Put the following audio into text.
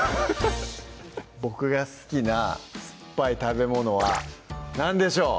僕が好きな酸っぱい食べ物はなんでしょう？